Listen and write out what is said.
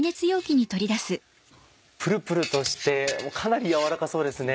プルプルとしてかなり軟らかそうですね。